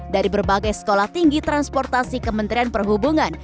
dari berbagai sekolah tinggi transportasi kementerian perhubungan